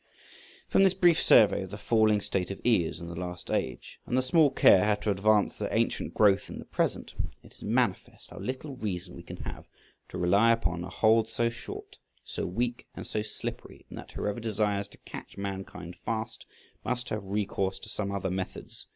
From this brief survey of the falling state of ears in the last age, and the small care had to advance their ancient growth in the present, it is manifest how little reason we can have to rely upon a hold so short, so weak, and so slippery; and that whoever desires to catch mankind fast must have recourse to some other methods.